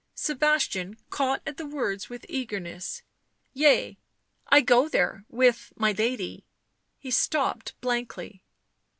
Sebastian caught at the words with eagerness. " Yea — I go there with — my lady " He stopped blankly.